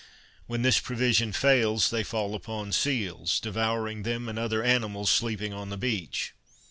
When this provision fails, they fall upon seals, devouring them and other animals sleeping on the beach.